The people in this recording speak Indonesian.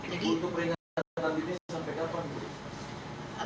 ibu itu peringatan tadi ini sampai kapan